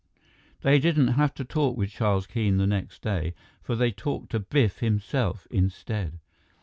They didn't have to talk with Charles Keene the next day, for they talked to Biff himself instead.